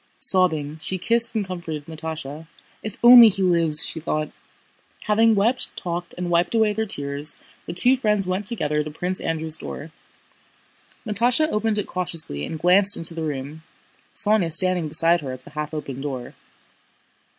Sobbing, she kissed and comforted Natásha. "If only he lives!" she thought. Having wept, talked, and wiped away their tears, the two friends went together to Prince Andrew's door. Natásha opened it cautiously and glanced into the room, Sónya standing beside her at the half open door.